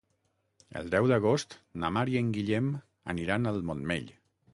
El deu d'agost na Mar i en Guillem aniran al Montmell.